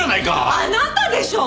あなたでしょう！？